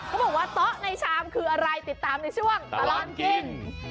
เขาบอกว่าโต๊ะในชามคืออะไรติดตามในช่วงตลอดกิน